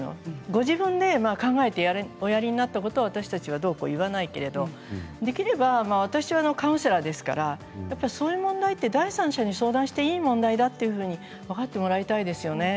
ご自分で考えておやりになったことを私たちはどうこう言わないけれどできれば私はカウンセラーですからそういう問題は第三者に相談していい問題だというふうに分かってもらいたいですね。